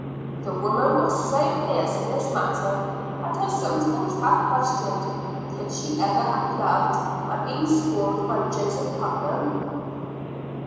The woman was so fierce in this matter, that I sometimes have questioned, could she ever have loved and been scorned by Joseph Putnam?